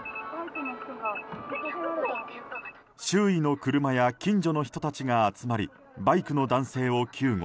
周囲の車や近所の人たちが集まりバイクの男性を救護。